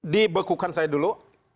dibekukan saya dulu